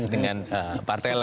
dengan partai lain